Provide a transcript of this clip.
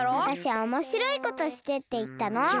わたしはおもしろいことしてっていったの。